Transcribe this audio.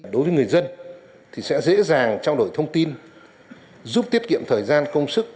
đối với người dân thì sẽ dễ dàng trao đổi thông tin giúp tiết kiệm thời gian công sức